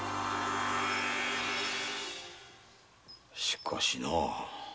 しかしなぁ。